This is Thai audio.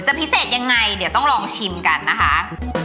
พิเศษยังไงเดี๋ยวต้องลองชิมกันนะคะ